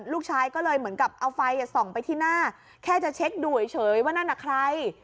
ลูกชายก็เลยเหมือนกับเอาไฟส่องไปที่หน้าแค่จะเช็คดูเฉยว่านั่นน่ะใคร